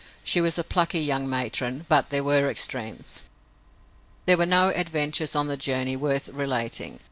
She was a plucky young matron, but there were extremes. There were no adventures on the journey worth relating.